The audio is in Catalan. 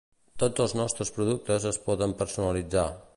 Tots els nostres productes es poden personalitzar.